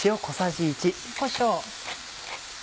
こしょう。